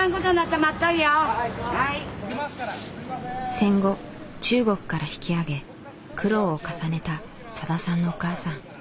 戦後中国から引き揚げ苦労を重ねたさださんのお母さん。